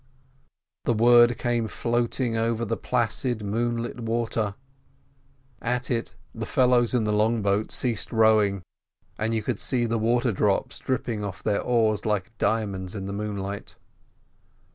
The word came floating over the placid moonlit water. At it the fellows in the long boat ceased rowing, and you could see the water drops dripping off their oars like diamonds in the moonlight.